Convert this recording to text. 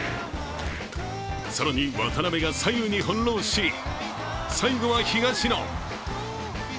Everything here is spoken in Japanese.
更に渡辺が左右に翻弄し最後は東野。